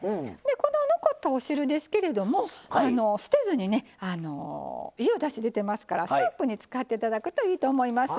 この残ったお汁ですけれども捨てずに、いいおだし出てますからスープに使っていただくといいと思います。